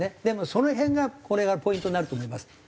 でもその辺がこれがポイントになると思います。